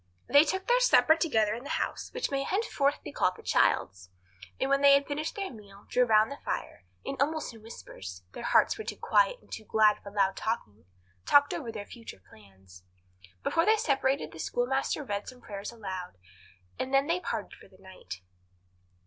They took their supper together in the house which may henceforth be called the child's; and when they had finished their meal, drew round the fire, and almost in whispers—their hearts were too quiet and glad for loud talking—talked over their future plans. Before they separated the schoolmaster read some prayers aloud, and then they parted for the night.